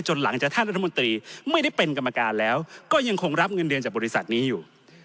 หลังจากท่านรัฐมนตรีไม่ได้เป็นกรรมการแล้วก็ยังคงรับเงินเดือนจากบริษัทนี้อยู่